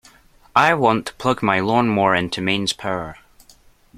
I want to plug my lawnmower into mains power